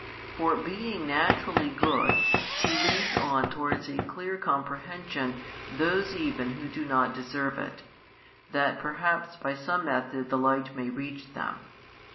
For being naturally good, He leads on towards a clear comprehension those even who do not deserve it, that perhaps by some method the light may reach them.